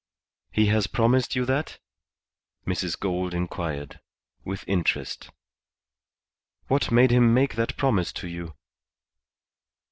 "He has promised you that?" Mrs. Gould inquired, with interest. "What made him make that promise to you?"